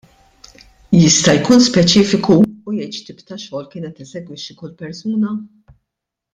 Jista' jkun speċifiku u jgħid x'tip ta' xogħol kienet tesegwixxi kull persuna?